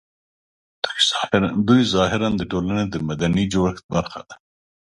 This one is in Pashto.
دوی ظاهراً د ټولنې د مدني جوړښت برخه ده